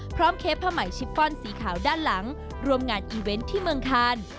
พร้อมเคพภาหมายชิบป้อนสีขาวด้านหลังรวมงานอีเวนต์ที่เมืองคาณ